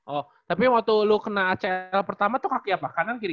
oh tapi waktu lu kena acl pertama tuh kaki apa kanan kiri